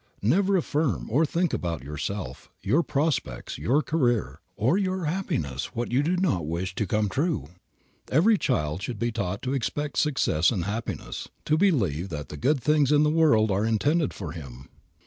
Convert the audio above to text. Never affirm, or think about yourself, your prospects, your career, or your happiness what you do not wish to come true. Every child should be taught to expect success and happiness, to believe that the good things of the world are intended for him.